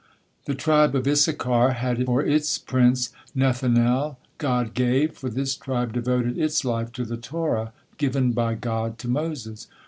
The tribe of Issachar had for its prince Nethanel, "God gave," for this tribe devoted its life to the Torah given by God to Moses.